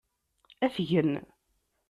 Ad t-gen.